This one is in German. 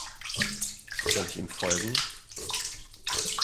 Soll ich ihm folgen?